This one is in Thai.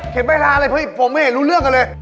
เขียนใบหราไรเพราะผมไม่เห็นรู้เรื่องกันเลย